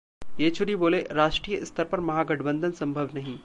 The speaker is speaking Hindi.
येचुरी बोले: राष्ट्रीय स्तर पर महागठबंधन संभव नहीं